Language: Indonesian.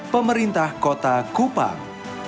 pemerintah kota kupang